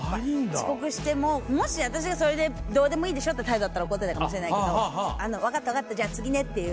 遅刻してももし私がそれでどうでもいいでしょって態度だったら怒ってたかもしれないけど分かった分かったじゃあ次ねっていう。